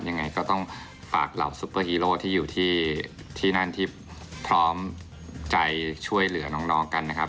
ยังไงก็ต้องฝากเหล่าซุปเปอร์ฮีโร่ที่อยู่ที่นั่นที่พร้อมใจช่วยเหลือน้องกันนะครับ